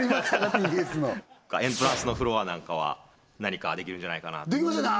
ＴＢＳのエントランスのフロアなんかは何かできるんじゃないかなとできますよね